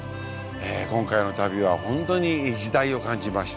今回の旅はホントに時代を感じました。